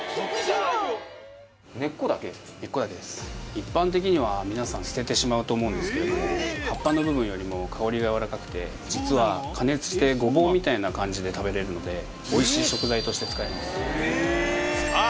炒飯でさあ榛澤はどう作ると思うんですけれども葉っぱの部分よりも香りがやわらかくて実は加熱してごぼうみたいな感じで食べれるのでとして使いますさあ